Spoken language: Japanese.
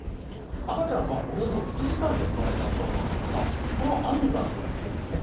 赤ちゃんはおよそ１時間で生まれたそうなんですが安産といっていいんですね。